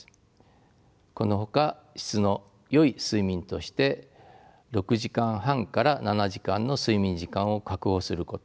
このほか質のよい睡眠として６時間半から７時間の睡眠時間を確保すること。